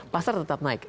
pasar tetap naik